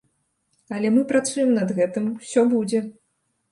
Але мы працуем над гэтым, усё будзе.